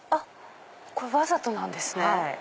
これわざとなんですね。